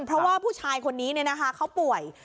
เพราะว่าผู้ชายคนนี้เนี่ยนะคะเขาป่วย